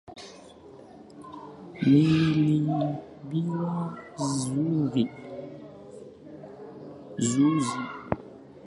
Niliibiwa juzi